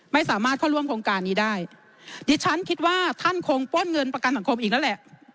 ไม่สามารถเข้าร่วมโครงการนี้ได้ดิฉันคิดว่าท่านคงป้นเงินประกันสังคมอีกแล้วแหละ